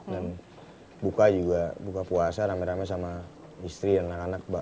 dan buka juga buka puasa rame rame sama istri dan anak anak